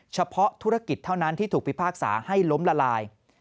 เฉพาะธุรกิจเท่านั้นที่ถูกพิพากษาให้ล้มละลาย